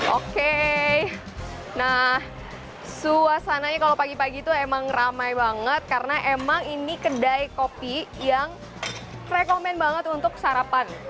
oke nah suasananya kalau pagi pagi itu emang ramai banget karena emang ini kedai kopi yang rekomen banget untuk sarapan